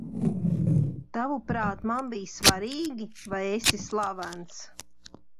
Tavuprāt, man bija svarīgi, vai esi slavens?